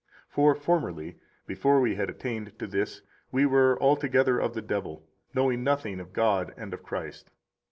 For formerly, before we had attained to this, we were altogether of the devil, knowing nothing of God and of Christ.